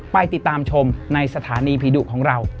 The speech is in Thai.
ไปติดตามชมในสถานีผีดุของเรา